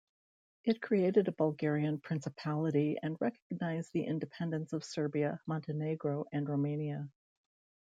It created a Bulgarian principality and recognized the independence of Serbia, Montenegro, and Romania.